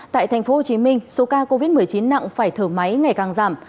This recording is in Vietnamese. tại tp hcm số ca covid một mươi chín nặng phải thở máy ngày càng giảm